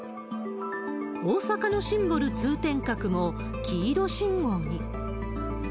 大阪のシンボル、通天閣も黄色信号に。